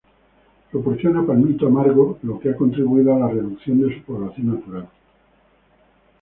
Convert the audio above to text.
Proporciona palmito amargo, lo que ha contribuido a la reducción de su población natural.